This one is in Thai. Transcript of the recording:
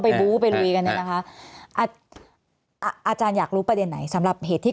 ไปบู้ไปยังไงนะคะอาจารย์อยากรู้ประเด็นไหนสำหรับเหตุที่